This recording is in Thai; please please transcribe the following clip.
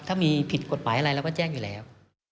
ถ้ามีผิดกฎหมายอะไรเราก็แจ้งอยู่แล้ว